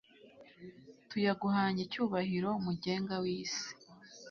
tuyaguhanye icyubahiro, mugenga w'isi